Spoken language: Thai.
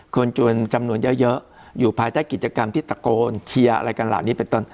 คนจวนจำนวนเยอะอยู่ภายใต้กิจกรรมที่ตะโกนเชียร์อะไรกันเหล่านี้เป็นต้น